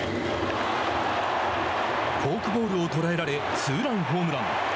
フォークボールを捉えられツーランホームラン。